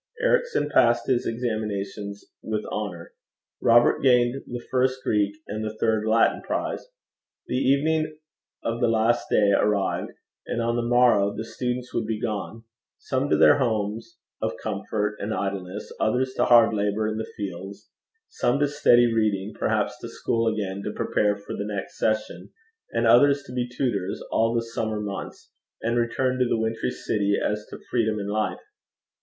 Ericson passed his examinations with honour. Robert gained the first Greek and third Latin prize. The evening of the last day arrived, and on the morrow the students would be gone some to their homes of comfort and idleness, others to hard labour in the fields; some to steady reading, perhaps to school again to prepare for the next session, and others to be tutors all the summer months, and return to the wintry city as to freedom and life.